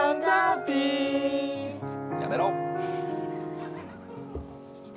やめろ！